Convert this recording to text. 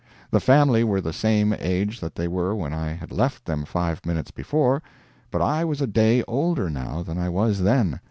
The family were the same age that they were when I had left them five minutes before, but I was a day older now than I was then.